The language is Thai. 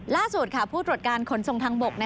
ล่าสุดผู้ตรวจการขนส่งทางบก